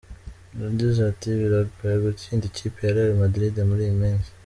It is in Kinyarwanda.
Yagize ati “Biragoye gutsinda ikipe ya Real Madrid muri iyi minsi.